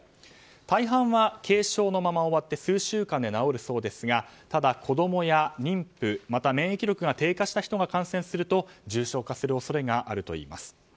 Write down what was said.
大半は軽症のまま終わって数週間で治るそうですがただ、子供や妊婦また、免疫力が低下した人が感染すると重症化する恐れがあるといいます。